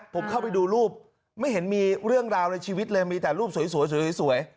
ผมเข้าไปดูรูปไม่เห็นมีเรื่องราวในชีวิตเลยมีแต่รูปสวย